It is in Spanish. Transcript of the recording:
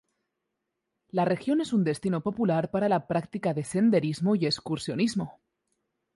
La región es un destino popular para la práctica de senderismo y excursionismo.